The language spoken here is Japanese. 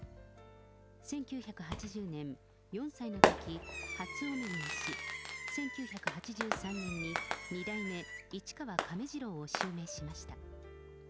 １９８０年、４歳のとき、初お目見えし、１９８３年に二代目市川亀治郎を襲名しました。